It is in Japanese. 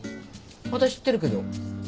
私知ってるけど。